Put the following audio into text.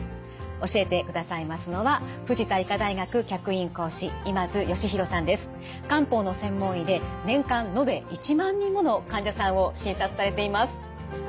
教えてくださいますのは漢方の専門医で年間延べ１万人もの患者さんを診察されています。